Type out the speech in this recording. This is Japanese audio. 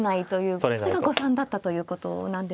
それが誤算だったということなんですね。